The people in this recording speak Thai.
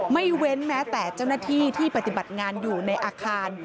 ไม่เว้นแม้แต่เจ้าหน้าที่ที่ปฏิบัติงานอยู่ในอาคาร